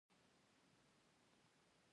د پاسپورت ریاست بیروبار کم شوی؟